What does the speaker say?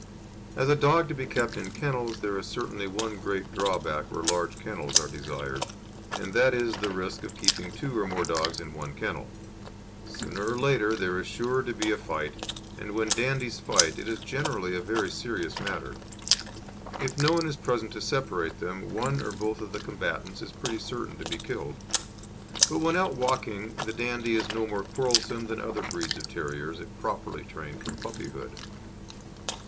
As a dog to be kept in kennels there is certainly one great drawback where large kennels are desired, and that is the risk of keeping two or more dogs in one kennel; sooner or later there is sure to be a fight, and when Dandies fight it is generally a very serious matter; if no one is present to separate them, one or both of the combatants is pretty certain to be killed. But when out walking the Dandie is no more quarrelsome than other breeds of terriers, if properly trained from puppyhood.